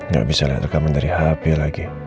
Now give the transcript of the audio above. gak bisa liat rekaman dari hp lagi